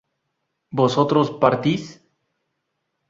¿vosotros partís?